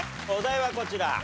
お題はこちら。